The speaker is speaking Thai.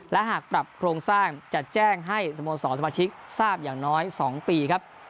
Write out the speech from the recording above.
และหากปรับโครงสร้างจะแจ้งให้สโมสรสมาชิกทราบอย่างน้อย๒ปีครับ